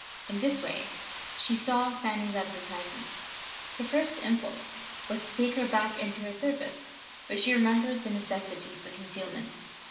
In this way She saw Fanny's advertisement. Her first impulse was to take her back into her service. But she remembered the necessity for concealment.